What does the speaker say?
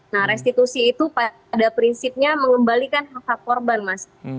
nah restitusi itu pada prinsipnya mengembalikan hak hak korban mas